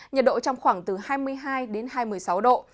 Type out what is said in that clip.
nhiệt độ trong khoảng từ hai mươi hai đến hai mươi sáu độ